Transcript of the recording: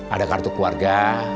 ada kartu keluarga